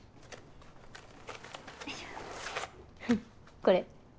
これ。